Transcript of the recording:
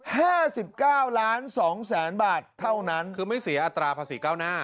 ห้าสิบเก้าล้านสองแสนบาทเท่านั้นคือไม่เสียอัตราภาษีเก้าหน้า